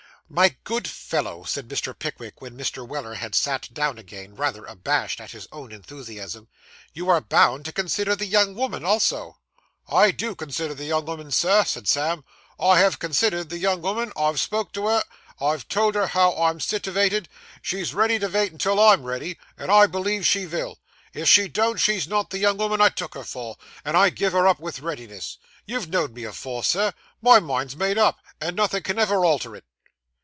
'My good fellow,' said Mr. Pickwick, when Mr. Weller had sat down again, rather abashed at his own enthusiasm, 'you are bound to consider the young woman also.' 'I do consider the young 'ooman, Sir,' said Sam. 'I have considered the young 'ooman. I've spoke to her. I've told her how I'm sitivated; she's ready to vait till I'm ready, and I believe she vill. If she don't, she's not the young 'ooman I take her for, and I give her up vith readiness. You've know'd me afore, Sir. My mind's made up, and nothin' can ever alter it.